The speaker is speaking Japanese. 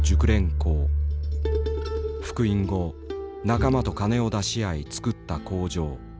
復員後仲間と金を出し合い造った工場。